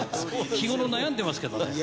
日頃悩んでますけど。